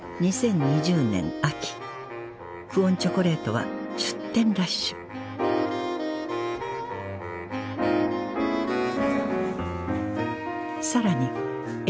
２０２０年秋「久遠チョコレート」は出店ラッシュさらに